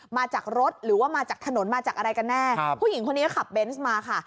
มาจากรถหรือว่ามาจากถนนมาจากอะไรกันแน่ผู้หญิงคนนี้ก็ขับเบนส์มาค่ะ